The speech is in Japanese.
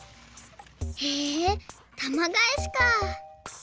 へえたまがえしか！